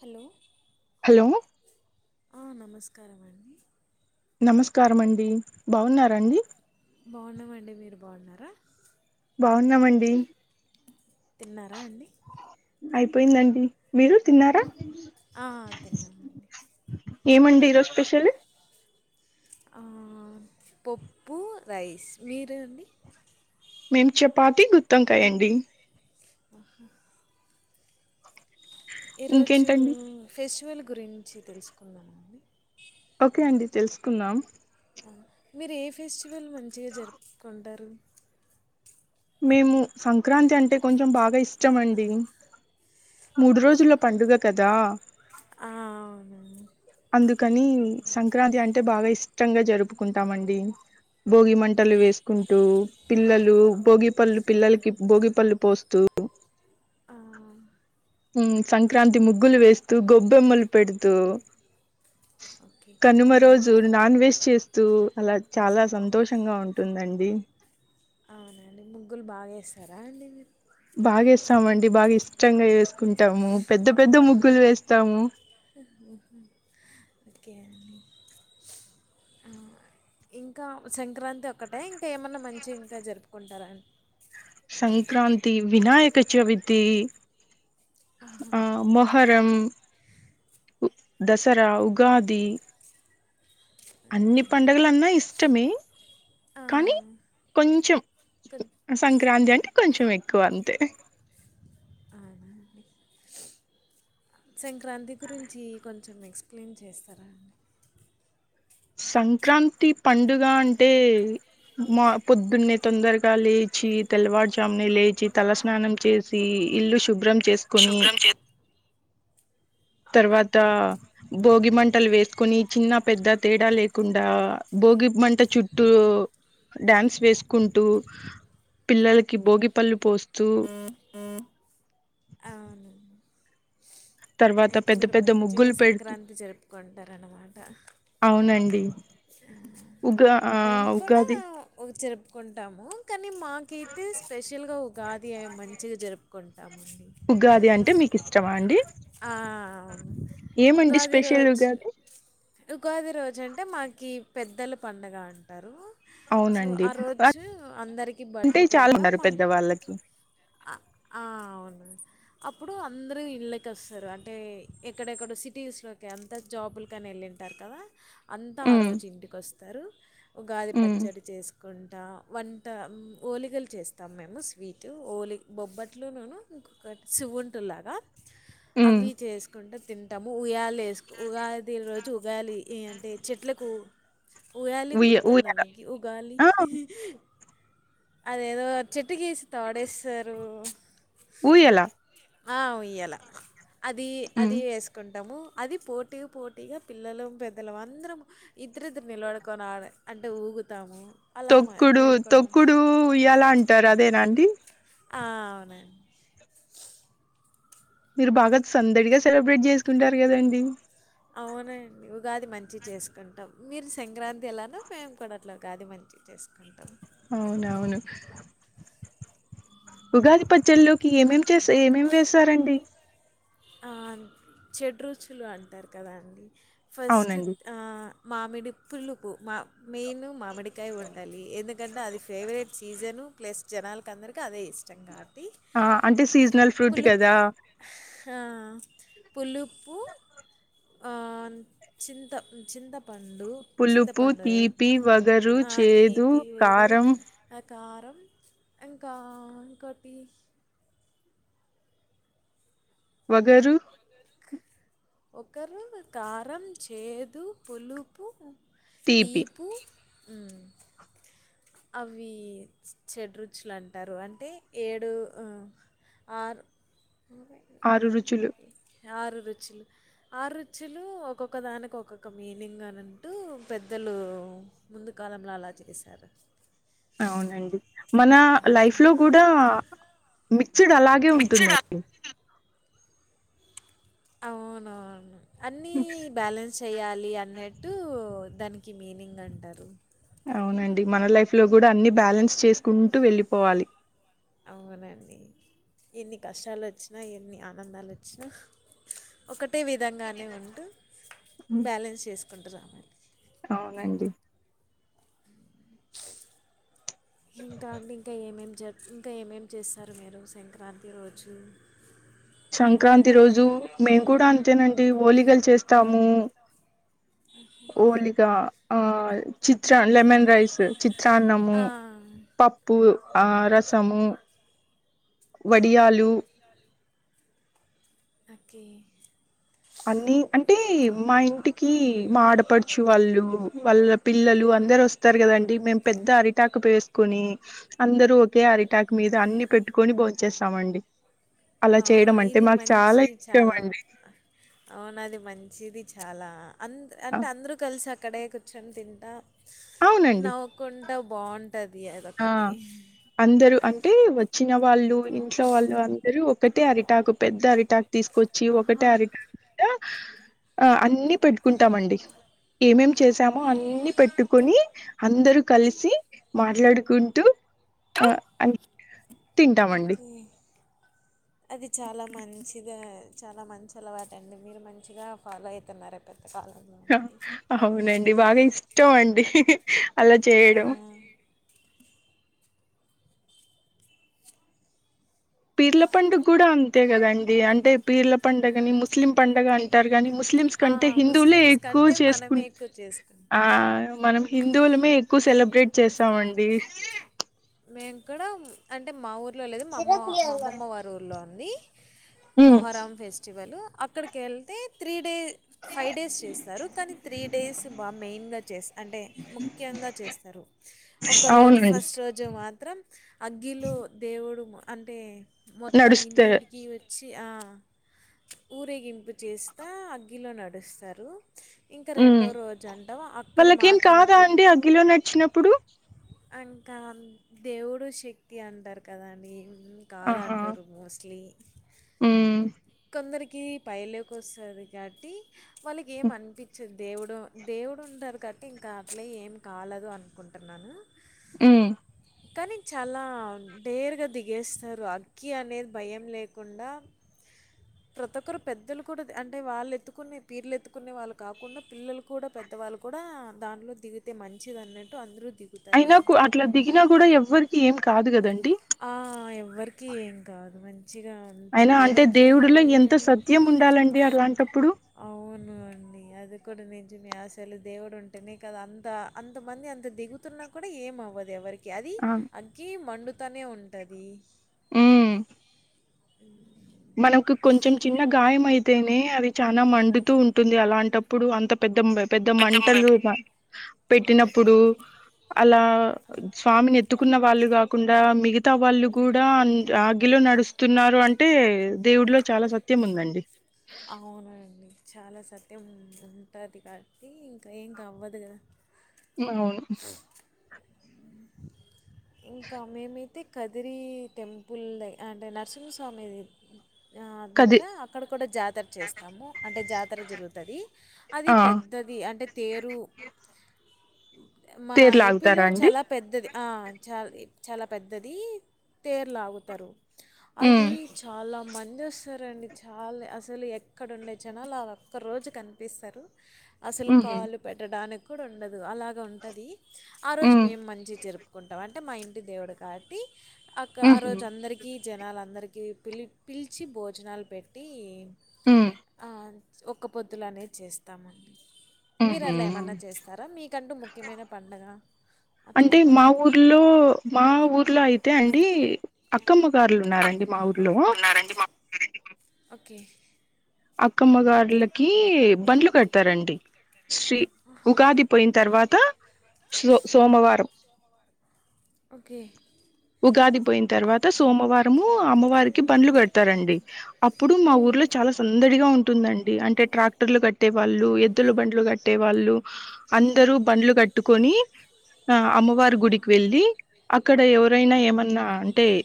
Hello hello ఆ నమస్కారమండి నమస్కారమండి బాగున్నారండి బాగున్నామండి మీరు బాగున్నారా బాగున్నామండి తిన్నారా అండి అయిపోయిందండి మీరు తిన్నారా ఆ తిన్నామండి ఏమండి ఈ రోజు స్పెషల్ ఆ పొప్పు రైస్ మీరు అండి మేం చపాతి గుత్తోంకాయ్ అండి ఆహ్ ఈరోజు ఇంకేంటండి ఫెస్టివల్ గురించి తెలుసుకుందామండి ఓకే అండి తెలుసుకుందాం మీరు ఏ ఫెస్టివల్ మంచిగా జరుపుకుంటారు మేము సంక్రాంతి అంటే కొంచెం బాగా ఇష్టం అండి మూడు రోజుల్లో పండుగ కదా ఆ అవునండి అందు కానీ సంక్రాంతి అంటే బాగా ఇష్టంగా జరుపుకుంటామండి భోగి మంటలు వేసుకుంటూ పిల్లలు భోగి పళ్ళు పిల్లలకి భోగిపళ్ళు పోస్తూ ఆ ఉ సంక్రాంతి ముగ్గులు వేస్తూ గొబ్బెమ్మలు పెడుతూ ఓకే కనుమ మీరు ము రోజు నాన్ వెజ్ చేస్తూ అలా చాలా సంతోషంగా ఉంటుందండి అవునండి ముగ్గులు బాగా ఏస్తారా అండి మీరు బాగ ఏస్తామండి బాగా ఇష్టంగా వేసుకుంటాము పెద్ద పెద్ద ముగ్గులు వేస్తాము అకేండి ఇంకా సంక్రాంతి ఒక్కటే ఇంకా ఏమన్నా మంచి ఇంకా జరుపుకుంటారా అండి సంక్రాంతి వినాయక చవితి ఆహా! ఆ మొహర్ దం దసరా ఉగాది అన్ని ఓకే. పండుగలన్నా ఇష్టమే ఆ! కానీ కొంచెం కొన్ సంక్రాంతి అని అంటే కొంచెం ఎక్కువ అంతే అవునా అండి సంక్రాంతి గురించి కొ కొంచెం ఎక్స్ప్లెయిన్ చేస్తారా అండి సంక్రాంతి పండుగ అంటే మా పొద్దున్నే తొందరగా లేచి తెల్లవారుజాముని లేచి తల స్నానం చేసి ఇల్లు శుభ్రం చేసుకుని శుభ్రం చే తర్వాత భోగిమంటలు వేసుకుని చిన్న పెద్ద తేడా లేకుండా భోగి మంట చుట్టూ డ్యాన్స్ వేసుకుంటూ పిల్లలకి భోగిపళ్ళు పోస్ తు అవునండి. అయితే మీరు పెద్ద మంచిగా ముగ్గులు పెడుతూ సంక్రాంతి జరుపుకుంటారన్నమాట అవునండి ఉగా ఆ ఉగాది ప్పుకుంటాము కానీ మాకైతే స్పెషల్ గా ఉగాది మంచిగా జరుపుకుంటా ఉగాది అంటే మీకు ఇష్టమా అండి ఆ ఏమండి ఉగాది స్పెషల్ రోజు ఉగాది ఉగాది రోజు అంటే మాకి పెద్దల పండుగ అంటారు సో అవునండి ఆ రోజు అందరికీ అంటే బట్టలు చాలా పెడతాం ఉన్నారు మా పెద్దవాళ్ళకి ఆ అవును అప్పుడు అందరూ ఇళ్ళకి వస్తారు అంటే ఎక్కడెక్కడ సిటీస్ లోకి అంత జాబులు కానీ వెళ్ళింటారు కదా అంతా ఆ ఉమ్ రోజు ఇంటికి వస్తారు ఉగాది ఉమ్ పచ్చడి చేసుకుంట వంట వంట ఓలిగలు చేస్తాం మేము స్వీట్ ఓలి బొబ్బట్లును సువుంటులాగా ఉమ్. అవి చేసుకుంట తింటాము ఉయ్యాలు వేసు ఉగాది రోజు చూగాలి ఏ అంటే చెట్లకు ఉగాలి ఉయ్య గుర్తుంద ఊయల మీకు ఉగాలి ఆ అదేద చ చెట్టికేసి తాడేస్తారు ఊయ్యలా ఆ ఉయ్యల అది అది వేసుకుంటాము అది పోటీ పోటీగా పిల్లలు పెద్దలు అందరం ఇద్దరిద్దరు నిలవడుకొని ఆడ అంటే ఊగుతామ్ తొక్కుడు తొక్కుడు ఉయల అంటారు అదేనా అండి ఆ అవునండి మీరు బాగా సందడిగా సెలబ్రేట్ చేసుకుంటారు కదండి అవునడి ఉగాది మంచి చేసుకుంటాం మీరు సంక్రాంతి ఎలానో మేము కూడాడట్లా ఉగాది మంచి ప చేసుకుంటాం అవునవును ఉగాది పచ్చల్లోకి ఏమేం చేస్త ఏమేం వస్తారండి చెడ్ రుచులు అంటారు కదా అండి ఫస్ట్ అవునండి మామిడి పులుపు మా మెయిన్ మామిడికాయ ఉండాలి ఎందుకంటే ఎందుకంటే అది ఫేవరెట్ సీజన్ ప్లస్ జనాలకి అందరికి అదే ఇష్టం కాబట్టి ఆ అంటే సీజనల్ ఫ్రూట్ పులుపు కదా పులుపు చింత చింతప పడు పులుపు చింతపడు తీపి వగరు అహ చేదు తీపి వగరు కారం కారం ఇంకా ఇంకోటి వగరు ఒకరు కారం చేదు పులుపు తీపి తీపు అవి చెడ్ రుచులు అంటారు అంటే ఏడు ఆ ఆరు రుచులు ఆరు రుచులు ఆరు రుచులు ఒక్కొక్క దానికి ఒక్కొక్క మీనింగ్ అనింటూ పెద్ద వాళు ముందు కాలంలో అలా చేశారు అవునండి మన లైఫ్ లో కూడా మిక్స్డ్ అలాగే మిక్స్డ్ ఉంటుందండి అవునవును అన్నీ బ్యాలెన్స్ చెయాలి అన్నట్టు దానికి మీనింగ్ అంటారు అవునండి మన లైఫ్ లో కూడా అన్ని బ్యాలెన్స్ చేసుకుంటూ వెళ్ళిపోవాలి అవును అండి ఎన్ని కష్టాలు వచ్చినా ఎన్ని ఆనందాలు వచ్చినా ఒకటి అ విధంగానే ఉంటూ బ్యాలెన్స్ చేసుకుంటూ రావాలి అవునండి ఇంకా అంటే ఇంకా ఏమేమి జ ఇంకా ఏమేమి చేస్తారు మీరు సంక్రాంతి రోజు సంక్రాంతి రోజు మేము కూడా అంతేనండి హోలికలు చేస్తాము హోలిగా ఆ చిత్ర లెమన్ రైస్ చి చన్నము ఆ! పప్పు ఆ రసము వడియాలు ఓకే అన్ని అంటే మా ఇంటికి ఆడపడుచు వాళ్ళు వాళ్ళ పిల్లలు అందరు వస్తారు కదండి మే పెద్ద అరిటాక్ వేసుకుని అందరు ఒకే అరిటాక్ మీద అ పెట్టుకొని బోంచ్చేస్తామండి అలా ఆ! చేయడం అంటే ఇది మాకు చాలా ఇష్టం అండి అవునుది మంచిది చాలా అ అంటే అందరూ కలిసి అక్కడే కూర్చొని తింటా అవునండి నవ్వుకుంటా బాగుంటుంది ఆ అదొకటి అందరూ అంటే వచ్చిన వాళ్ళు ఇంట్లో వాళ్ళు అందరుూ ఒకటే అరిటాకు పెద్ద అరిటాక్ తీసుకొచ్చి ఒకటే ఆహా! అరిటాకు ఆ అన్ని పెట్టుకుంటామండి ఏమేం చేసామో అన్ని పెట్టుకుని అందరు కలిసి మాట్లాడు కుంటూ ఆ అ ఓకే అది చాలా మంచిదే చాలా మంచి అలవాటు అండి మీరు మంచిగా ఫాలో అయితున్నారు పెద్ హ అవునండి బాగా ఇష్టం అండి అలా ఆ చేయడం పీర్ల పండుగ కూడా అంతే కదండి అంటే పీర్ల పండుగని ముస్లిం పండుగ అంటారు కానీ ముస్లిమ్స్ ఆ, కంటే హిందువులే ముస్లిమ్స్ ఎక్కువ కంటే చేసుకుం మనమే ఎక్కువ ఆ చేసుకుంటాం మనం హిందువులమే ఎక్కువ సెలబ్రేట్ చేస్తామండి ఇక్కడం అంటే మా ఊరు లో లేదు మా అమ్మ మా అమమ్మ వారి ఊళ్లో ఉంది ఉమ్ మొహరాం ఫెస్టివల్ అక్కడికి ఏళ్తే త్రీ డేస్ ఫైవ్ డేస్ చేస్తారు కానీ త్రీ డేస్ బాగా మెయిన్గా చేస్త అంటే ముఖ్యంగా చేస్తారు ఒక రోజు అవునండి ఫస్ట్ రోజు మాత్రం అగ్గిలో దేవుడు అంటే మొత్తం నడుస్తే ఇంటింటికి వచ్చి ఆ ఊరేగింపు చేస్తా ఆగిలో నడుస్తారు ఇంకా ఉమ్ రెండో రోజు అంటాం అక్కడ వాళ్ళకేం మాత్రమే కాదా పిరి అండి అగ్గిలో నడిచినప్పుడు అంక దేవుడు శక్తి అంటారు కదండి ఆహా కాదంటారు మోస్ట్లీ ఉమ్ కొందర్ కి పైలోకి వస్తుంది కాబట్టి వాళ్ళకి ఏం అనిపించంది దేవుడు దేవుడు ఉంటారు గట్టి ఇంకా అట్లే ఏం కాలేదు అనుకుంటున్నాను ఆ కానీ చాలా డేర్గా దిగేస్తారు అగ్గి అనేది భయం లేకుండా ప్రతి ఒక్కరు పెద్దలు కూడా అంటే వాళ్ళు ఎత్తుకునే పీర్లు ఎత్తుకునే వాళ్ళు కాకుండా పిల్లలు కూడా పెద్ద దా వాళ్ళు కూడా దాంట్లో దిగితే మంచిదిన్నట్ అయినా అట్లా దిగినా కూడా ఎవ్వరికి ఏం కాదు కదండి ఎవర్కి ఏం కాదు మంచ్ అయినా అంటే దేవుడులో ఎంత సత్యం ఉండాలండి అలాంటప్పుడు అవును అండి అది కూడా నిజ్ జమే అసలు దేవుడు ఉంటేనే కదా అంత అంతమంది అంత దిగుతున్నా కూడా ఏమవ్వదు ఎవరికి అది ఆ అగ్గి మండుతనే ఉంటది ఆ అ మనకు కొంచెం చిన్న గాయం అయితేనే అది చనా మండుతూ ఉంటుంది అలాంటప్పుడు అంత పెద్ద బ్ పెద్ద పెద్దంబై మంటలు మ పెట్టినప్పుడు అలా స్వామిని ఎత్తుకున్న వాళ్ళు కాకుండా మిగతా వాళ్ళు కూడా ఆగిలి లో నడుస్తున్నారు అంటే దేవుడ్లో చాలా సత్యం ఉందండి అవునండి చాలా సత్యం ఉంటుంది కాబట్టి ఇంకా ఏంకా అవ్వదు కద అవును ఇంకా మేమైతే కదిరి టెంపుల్ అంటే నరసింహస్వామిది ఆ, కది దగ్గర అక్కడ కూడా జాతర చేస్తాము అంటే జాతర జరుగుతుంది అది ఆ పెద్దది అంటే తేరు మన తేరు ఏపీలో లాగుతారా అండి చాలా ద్దది ఆ చాల్ ఇ చాలా పెద్దది తేర్ లాగుతరు ఆల్ది ఉమ్ చాలా మంచ్ ఎంజేస్తారండి చాలే అస్సలి ఎక్కడుండే జనాలాగా ఒక్క రోజుక్ కన్పిస్తరు అస్సల్ ఉహు కాల్ పెట్టడానికి కూడా ఉండదు అలాగ ఉంటది ఆ రోజ్ ఉమ్ మేమ్ మన్ జీ జర్పుకుంటామ్ అంటే మా ఇంటి దేవుడు కావాట్టి అక్క ఆ ఉహు రోజు అందరికీ జనలందర్ ఈ పిలిప్ పిల్చి భోజనాలు పెట్టి ఉమ్ ఆ ఒక్క పొద్దులనే చేస్తామండ్ మీర్ ఉహు అట్ల ఏమన్నా చేస్తారా మీకంటూ ముఖ్యమైన పండగ అట్లా అంటే మా ఊర్లు మా ఊర్లో ఐతే అండి అక్కమ్మ గార్లు ఉన్నారండి మావుర్లో కే అక్కమ్మ గార్లకి బండ్లు కడతారండి శ్రీ ఉగాది పోయ్ న్ తర్వాత సో సోమవారం ఓకే ఉగాది పోయ్ న్ తర్వాత సోమవారము అమ్మవారికి పండ్లు పెడ్తారండి అప్పుడు మా మ్మ్. ఊర్లో చాలాస్ దడిగా ఉంటుందండి అంటే ట్రాక్టర్లు కట్టే వాళ్ళు ఎద్దుల బండ్లు గట్టే వాళ్ళు అందరూ బండ్లు గట్టుకొని ఆ అమ్మవారి గుడిక్ వెళ్ళి అక్కడ ఎవరైనా ఏమన్నా అంటే ఏ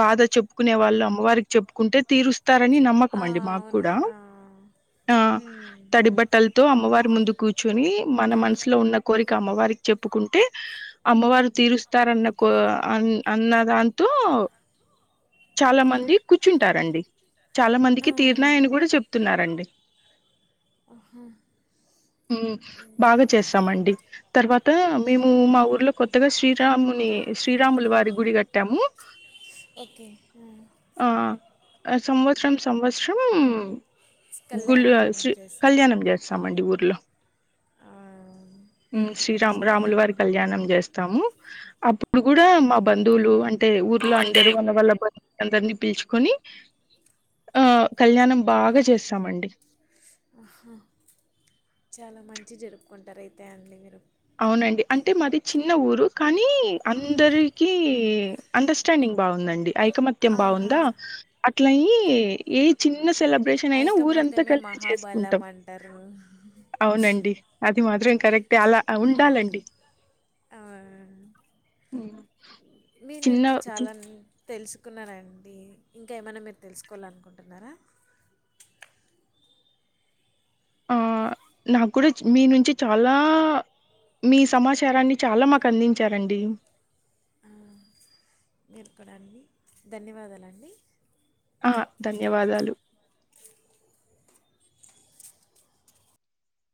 బాధ చెప్పుకునే వాళ్ అమ్మవార్క్ చెప్పుకుంటే తీరుస్ తరన్ని ఆ, నమ్మకమండి మాక్ అవును గూడా ఆ, ఆ మ్మ్. తడి బట్టల్తో అమ్మవార్ ముందు కూచ్చోని మన మన్సులో ఉన్న కోరిక అమ్మవారిక్ చెప్పుకుంటే అమ్మవారు తీరుస్తర్ రాన్నకో అన్ అన్నదంతో చాలా మంది కూచ్చుటారండి చాలా మందికి తీర్ ఆహా ఉమ్ బాగా చేస్సమండి తర్వాత మేము మా ఊర్లో కొత్తగా శ్రీరాముని ఏ శ్రీరాములవారి గుడి గాట్టాము ఓకే ఆ సంవత్సరమ్ సంవత్సస్రం గులో కళ్యాణం శ్రీ చేస్తా కళ్యాణం జేస్తామండి ఊర్లో ఆ, ఉమ్ శ్రీరామ్ చాలా రాములవారి మంది కళ్యాణం జేస్తాము అప్పుడ్ గూడా మా బంధువులు అంటే ఊ ఊర్లో అంటే అందరు ఉన్న వాళ్ళ బత్ అందర్నీ పిల్చుకొని ఆ కళ్యాణం బాగా చేస్తామండి ఆహా చాలా మంచి జర్పుకుంటరు ఐతే అండీ మీరు ఔనండి అంటే మాది చిన్న ఊరు కానీ అందరికీ అండస్టాడింగ్ బాఉందండి ఐకమత్యం బాఉందా ఆహా అట్లాయ్ ఇ ఏ చిన్ ఇన్న సెలబ్రేషన్ ఐనా ఊరంతా ఐకమత్యమే కలిసి మహాబలం చేసుకుంటాం అంటారు ఔనండి అద్ ఇది మాత్రం కరక్టే అలా అ ఉండాలండి ఆ, మీ చిన్న నుంచి చి చాలాన్ తెల్సుకున్నానండి ఇంకా ఏమైనా మీర్ తెల్సుకోవాలనుకుంటున్నారా ఆ నాక్ గూడు చ్ మీ నుంచి చాలా మీ సమాచారాన్ని చాలా మాకందించారండి మీర్ కూడండి ధన్యవాదాలండి ఆ ధన్యవాదాలు